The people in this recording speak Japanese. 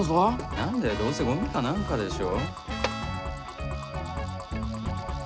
なんだよ、どうせゴミかなんかでしょ。